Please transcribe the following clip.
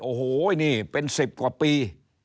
โอ้โหนี่เป็น๑๐กว่าปี